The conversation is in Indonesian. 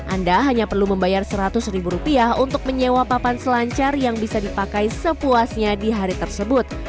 anda hanya perlu membayar seratus ribu rupiah untuk menyewa papan selancar yang bisa dipakai sepuasnya di hari tersebut